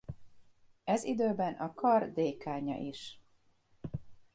Ez időben a kar dékánja is.